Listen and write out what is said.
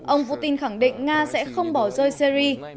ông putin khẳng định nga sẽ không bỏ rơi syri